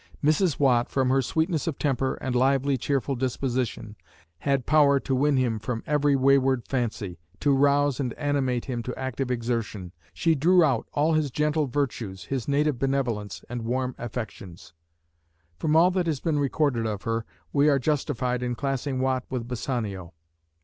Mrs. Watt, from her sweetness of temper, and lively, cheerful disposition, had power to win him from every wayward fancy; to rouse and animate him to active exertion. She drew out all his gentle virtues, his native benevolence and warm affections. From all that has been recorded of her, we are justified in classing Watt with Bassanio.